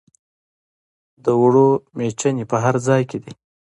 د اوړو میچنې په هر ځای کې دي.